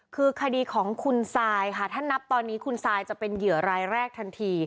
คือคดีของคุณซายค่ะถ้านับตอนนี้คุณซายจะเป็นเหยื่อรายแรกทันที